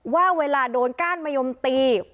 ว่าเวลาโดนก้านมะยมตี